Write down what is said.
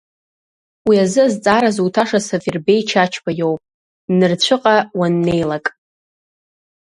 Уи азы азҵаара зуҭаша Сафарбеи Чачба иоуп, нырцәыҟа уаннеилак!